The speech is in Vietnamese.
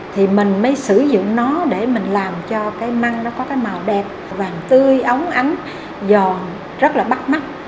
thì mình mới sử dụng nó để mình làm cho cái măng nó có cái màu đẹp vàng tươi ấu ánh giòn rất là bắt mắt